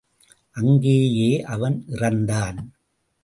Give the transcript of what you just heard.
அங்கேயே அவன் இறந்தான்.